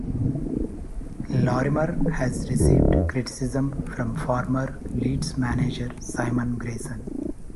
Lorimer has received criticism from former Leeds manager Simon Grayson.